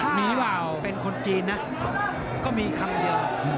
ถ้าเป็นคนจีนนะก็มีคำเยาว์